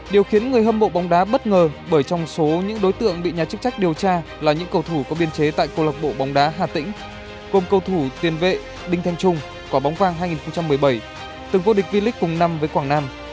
điều khiến người hâm mộ bóng đá bất ngờ bởi trong số những đối tượng bị nhà chức trách điều tra là những cầu thủ có biên chế tại câu lộc bộ bóng đá hà tĩnh gồm cầu thủ tiền vệ đinh thanh trung quả bóng vàng hai nghìn một mươi bảy từng vô địch v leage cùng năm với quảng nam